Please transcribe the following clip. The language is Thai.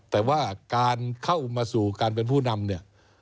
แต่ว่าการเข้ามาสู่การเป็นผู้นำเนี่ย